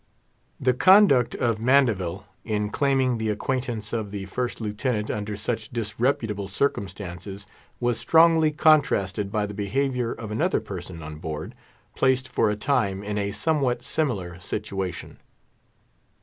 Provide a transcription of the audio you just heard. The conduct of Mandeville, in claiming the acquaintance of the First Lieutenant under such disreputable circumstances was strongly contrasted by the behaviour of another person on board, placed for a time in a somewhat similar situation.